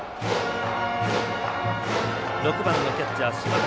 ６番のキャッチャー、島瀧。